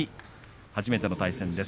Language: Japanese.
初めての対戦です。